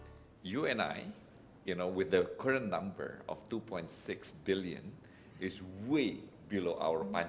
anda dan saya dengan jumlah dua enam juta yang ada sekarang